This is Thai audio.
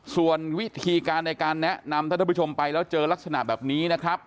ส่วนวิธีการในการแนะนำถ้าท่านผู้ชมไปแล้วเจอลักษณะแบบนี้นะครับ